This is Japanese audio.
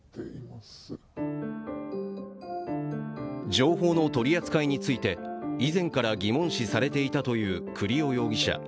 情報の取り扱いについて以前から疑問視されていたという栗尾容疑者。